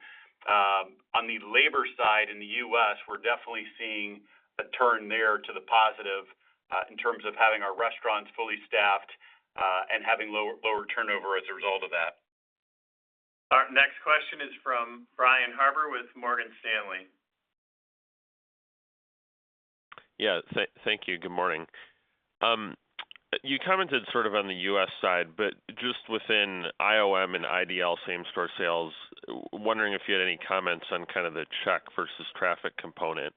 on the labor side in the U.S., we're definitely seeing a turn there to the positive in terms of having our restaurants fully staffed and having lower turnover as a result of that. Our next question is from Brian Harbour with Morgan Stanley. Yeah, thank you. Good morning. You commented sort of on the U.S. side, but just within IOM and IDL, same store sales, wondering if you had any comments on kind of the check versus traffic component.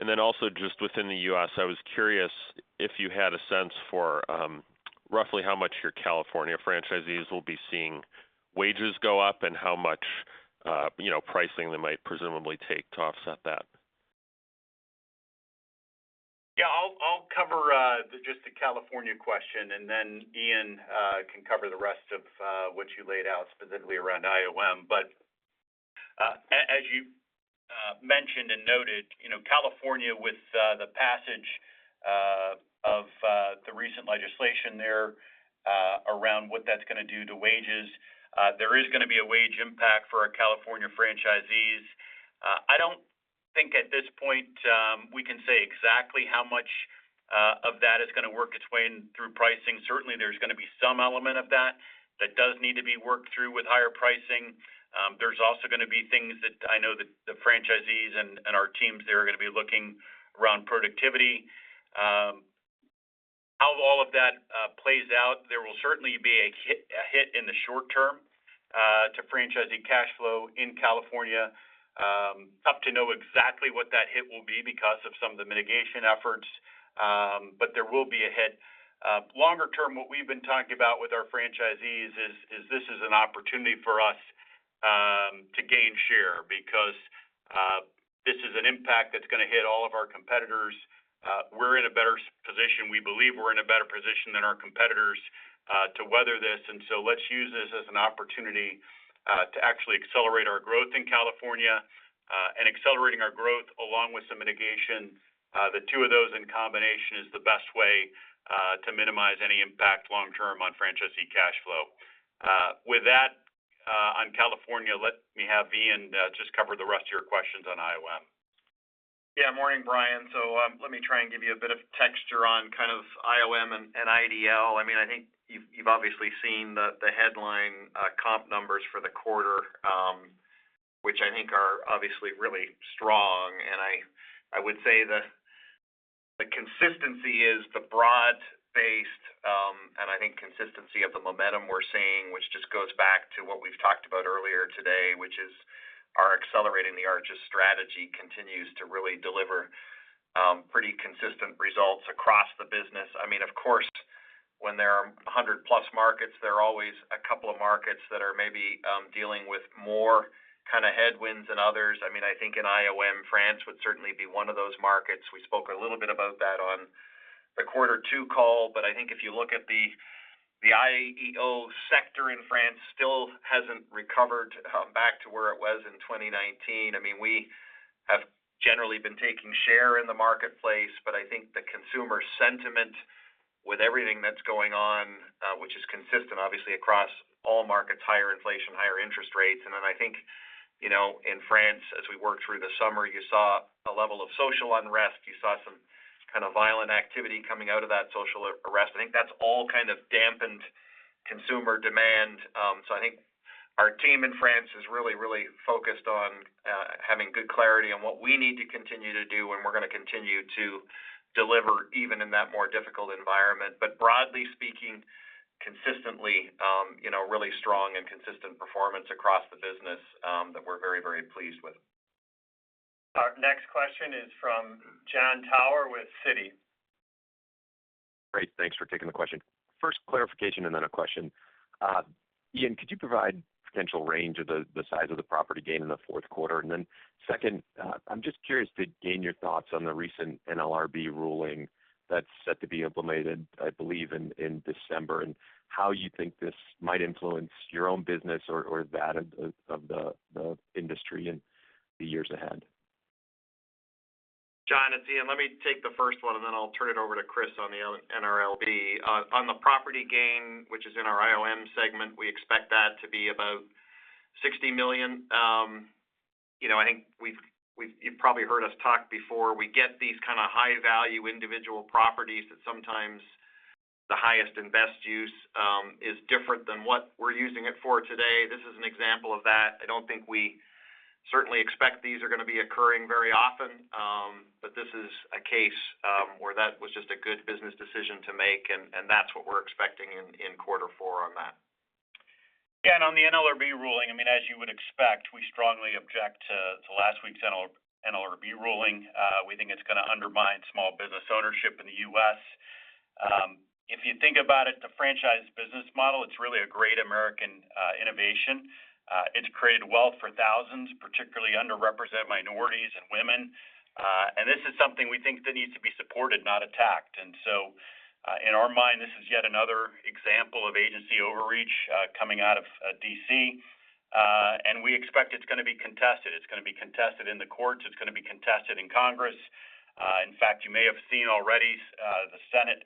And then also just within the US, I was curious if you had a sense for, roughly how much your California franchisees will be seeing wages go up and how much, you know, pricing they might presumably take to offset that? .Yeah, I'll cover just the California question, and then Ian can cover the rest of what you laid out specifically around IOM. But as you mentioned and noted, you know, California, with the passage of the recent legislation there, around what that's gonna do to wages, there is gonna be a wage impact for our California franchisees. I don't think at this point we can say exactly how much of that is gonna work its way in through pricing. Certainly, there's gonna be some element of that that does need to be worked through with higher pricing. There's also gonna be things that I know that the franchisees and our teams there are gonna be looking around productivity. How all of that plays out, there will certainly be a hit, a hit in the short term, to franchisee cash flow in California. Tough to know exactly what that hit will be because of some of the mitigation efforts, but there will be a hit. Longer term, what we've been talking about with our franchisees is this is an opportunity for us to gain share, because this is an impact that's gonna hit all of our competitors. We're in a better position... We believe we're in a better position than our competitors to weather this, and so let's use this as an opportunity to actually accelerate our growth in California, and accelerating our growth along with some mitigation. The two of those in combination is the best way to minimize any impact long term on franchisee cash flow. With that, on California, let me have Ian just cover the rest of your questions on IOM. Yeah. Morning, Brian. So, let me try and give you a bit of texture on kind of IOM and IDL. I mean, I think you've obviously seen the headline comp numbers for the quarter, which I think are obviously really strong, and I would say the consistency is the broad-based, and I think consistency of the momentum we're seeing, which just goes back to what we've talked about earlier today, which is our Accelerating the Arches strategy continues to really deliver pretty consistent results across the business. I mean, of course, when there are 100+ markets, there are always a couple of markets that are maybe dealing with more kinda headwinds than others. I mean, I think in IOM, France would certainly be one of those markets. We spoke a little bit about that on the quarter two call, but I think if you look at the, the IEO sector in France still hasn't recovered back to where it was in 2019. I mean, we have generally been taking share in the marketplace, but I think the consumer sentiment with everything that's going on, which is consistent, obviously, across all markets, higher inflation, higher interest rates, and then I think, you know, in France, as we worked through the summer, you saw a level of social unrest. You saw some kind of violent activity coming out of that social unrest. I think that's all kind of dampened consumer demand. I think our team in France is really, really focused on having good clarity on what we need to continue to do, and we're gonna continue to deliver even in that more difficult environment. But broadly speaking, consistently, you know, really strong and consistent performance across the business, that we're very, very pleased with. Our next question is from Jon Tower with Citi. Great. Thanks for taking the question. First, clarification, and then a question. Ian, could you provide potential range of the size of the property gain in the fourth quarter? And then second, I'm just curious to gain your thoughts on the recent NLRB ruling that's set to be implemented, I believe, in December, and how you think this might influence your own business or that of the industry in the years ahead. Jon, it's Ian. Let me take the first one, and then I'll turn it over to Chris on the NLRB. On the property gain, which is in our IOM segment, we expect that to be about $60 million. You know, I think we've, you've probably heard us talk before. We get these kinda high-value individual properties that sometimes the highest and best use is different than what we're using it for today. This is an example of that. I don't think we certainly expect these are gonna be occurring very often, but this is a case where that was just a good business decision to make, and that's what we're expecting in quarter four on that. Yeah, and on the NLRB ruling, I mean, as you would expect, we strongly object to last week's NLRB ruling. We think it's gonna undermine small business ownership in the U.S. If you think about it, the franchise business model, it's really a great American innovation. It's created wealth for thousands, particularly underrepresented minorities and women, and this is something we think that needs to be supported, not attacked. And so, in our mind, this is yet another example of agency overreach, coming out of D.C., and we expect it's gonna be contested. It's gonna be contested in the courts, it's gonna be contested in Congress. In fact, you may have seen already, the Senate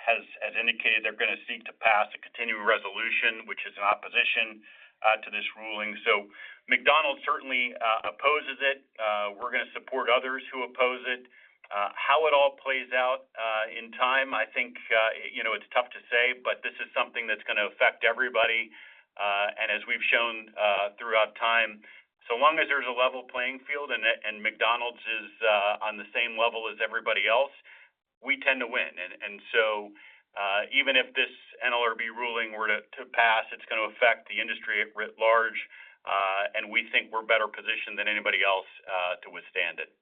has indicated they're gonna seek to pass a continuing resolution, which is in opposition to this ruling. So McDonald's certainly opposes it. We're gonna support others who oppose it. How it all plays out in time, I think, you know, it's tough to say, but this is something that's gonna affect everybody. And as we've shown throughout time, so long as there's a level playing field and McDonald's is on the same level as everybody else, we tend to win. And so even if this NLRB ruling were to pass, it's gonna affect the industry at large, and we think we're better positioned than anybody else to withstand it.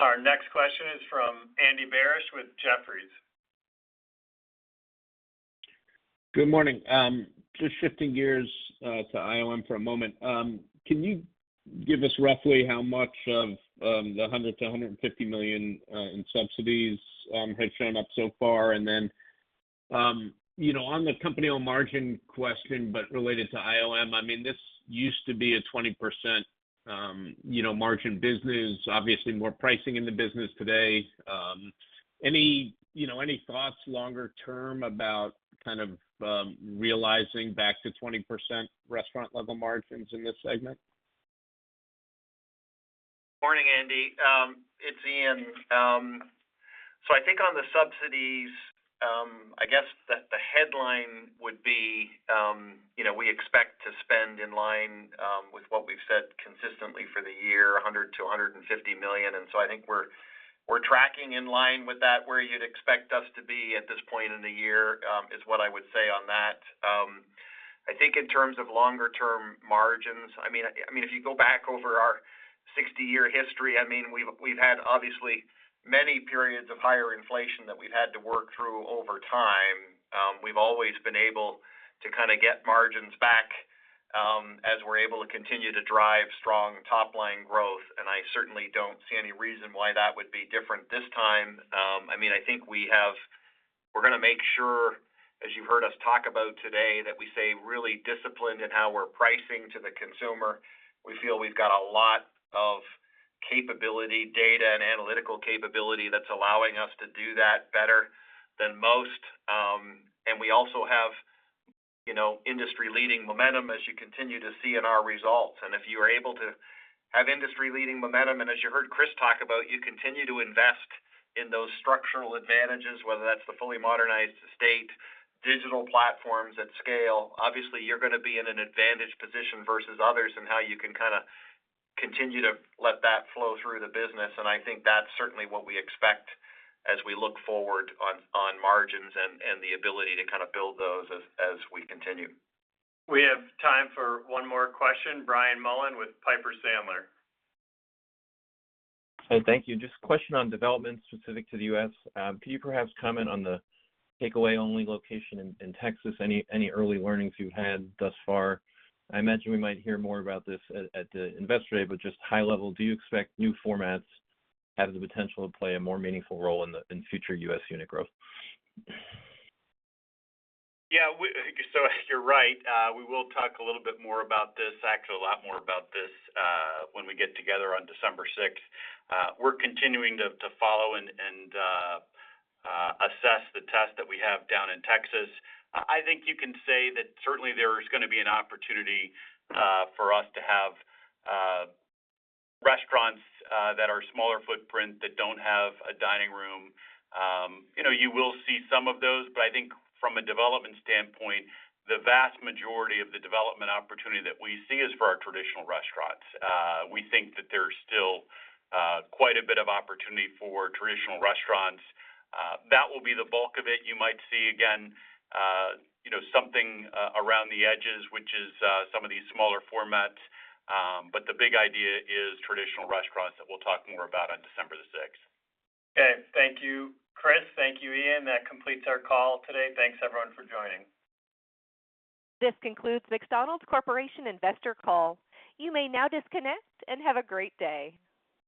Our next question is from Andy Barish with Jefferies. Good morning. Just shifting gears to IOM for a moment. Can you give us roughly how much of the $100 million-$150 million in subsidies has shown up so far? And then, you know, on the company-owned margin question, but related to IOM, I mean, this used to be a 20%, you know, margin business, obviously more pricing in the business today. Any, you know, any thoughts longer term about kind of realizing back to 20% restaurant level margins in this segment? Morning, Andy, it's Ian. So I think on the subsidies, I guess that the headline would be, you know, we expect to spend in line with what we've said consistently for the year, $100 million-$150 million. And so I think we're, we're tracking in line with that, where you'd expect us to be at this point in the year, is what I would say on that. I think in terms of longer-term margins, I mean, I mean, if you go back over our 60-year history, I mean, we've, we've had obviously many periods of higher inflation that we've had to work through over time. We've always been able to kind of get margins back, as we're able to continue to drive strong top-line growth, and I certainly don't see any reason why that would be different this time. I mean, I think we're gonna make sure, as you've heard us talk about today, that we stay really disciplined in how we're pricing to the consumer. We feel we've got a lot of capability, data, and analytical capability that's allowing us to do that better than most. And we also have, you know, industry-leading momentum as you continue to see in our results. If you are able to have industry-leading momentum, and as you heard Chris talk about, you continue to invest in those structural advantages, whether that's the fully modernized state, digital platforms at scale. Obviously, you're gonna be in an advantaged position versus others, and how you can kind of continue to let that flow through the business. I think that's certainly what we expect as we look forward on margins and the ability to kind of build those as we continue. We have time for one more question. Brian Mullan with Piper Sandler. Hey, thank you. Just a question on development specific to the U.S. Can you perhaps comment on the takeaway-only location in Texas? Any early learnings you've had thus far? I imagine we might hear more about this at the Investor Day, but just high level, do you expect new formats to have the potential to play a more meaningful role in the future U.S. unit growth? Yeah, so you're right. We will talk a little bit more about this, actually, a lot more about this, when we get together on December 6th. We're continuing to follow and assess the test that we have down in Texas. I think you can say that certainly there is gonna be an opportunity for us to have restaurants that are smaller footprint, that don't have a dining room. You know, you will see some of those, but I think from a development standpoint, the vast majority of the development opportunity that we see is for our traditional restaurants. We think that there's still quite a bit of opportunity for traditional restaurants. That will be the bulk of it. You might see again, you know, something around the edges, which is some of these smaller formats. But the big idea is traditional restaurants that we'll talk more about on December the 6th. Okay. Thank you, Chris. Thank you, Ian. That completes our call today. Thanks, everyone, for joining. This concludes McDonald's Corporation investor call. You may now disconnect and have a great day.